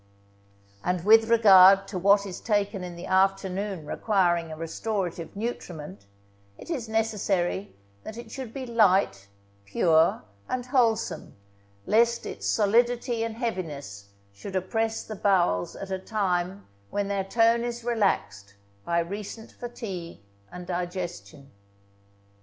And with regard to what is taken in the afternoon requiring a restorative nutriment, it is necessary that it should be light, pure, and wholesome, lest its solidity and heaviness should oppress the bowels at a time when their tone is relaxed by recent fatigue and digestion.